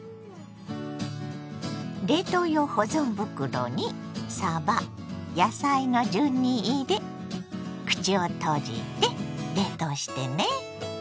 冷凍用保存袋にさば野菜の順に入れ口を閉じて冷凍してね。